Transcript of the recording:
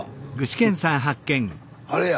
あれや。